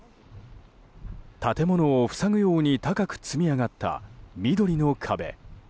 建物を塞ぐように高く積み上がった緑の壁。